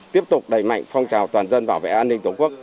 tiếp tục đẩy mạnh phong trào toàn dân bảo vệ an ninh tổ quốc